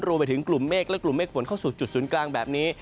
รวมไปถึงกลุ่มเมฆและกลุ่มเมฆฝนเข้าสู่จุดศูนย์กลางแบบนี้